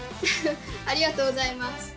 ありがとうございます。